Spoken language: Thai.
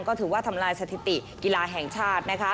ก็ถือว่าทำลายสถิติกีฬาแห่งชาตินะคะ